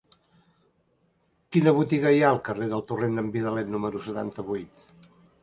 Quina botiga hi ha al carrer del Torrent d'en Vidalet número setanta-vuit?